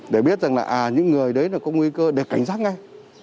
để biết rằng là những người đấy là có nguy cơ để cảnh giác ngay